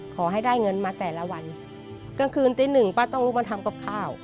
ขอให้ได้เงินมาแต่ละวันกลางคืนตีหนึ่งป้าต้องลุกมาทำกับข้าว